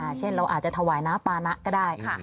เช่นเราอาจจะถวายน้ำปานะก็ได้